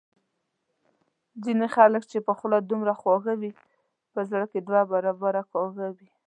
ځینی خلګ چي په خوله څومره خواږه وي په زړه دوه برابره کاږه وي